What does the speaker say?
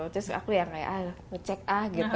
terus aku yang kayak ah ngecek ah gitu